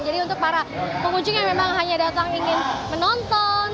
untuk para pengunjung yang memang hanya datang ingin menonton